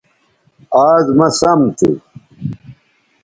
آز مہ سم تھو